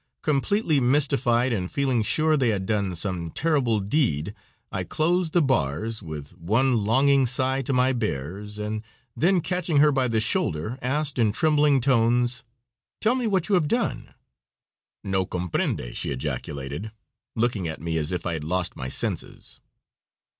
Completely mystified and feeling sure they had done some terrible deed, I closed the bars, with one longing sigh to my "bears," and then catching her by the shoulder, asked, in trembling tones: "Tell me, what have you done?" "No comprehende," she ejaculated, looking at me as if I had lost my senses.